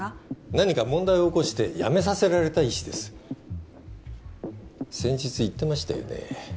何か問題を起こして辞めさせられた医師です先日言ってましたよね？